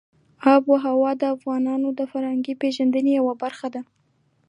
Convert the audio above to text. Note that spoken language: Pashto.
آب وهوا د افغانانو د فرهنګي پیژندنې یوه برخه ده.